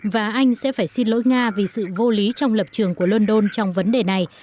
và anh sẽ phải xin lỗi nga vì sự vô lý trong lập trường của london trong vấn đề này